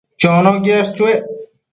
Chono quiash chuec